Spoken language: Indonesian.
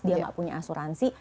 dia gak punya asuransi